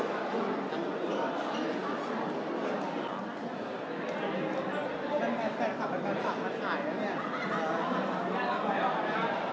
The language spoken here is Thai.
น้องน้องจะพูดหนึ่งนะครับร่างกายสูงรุ่นเสียงแรงนะครับ